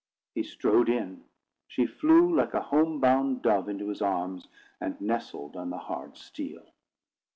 He strode in: she flew like a home bound dove into his arms, and nestled on the hard steel.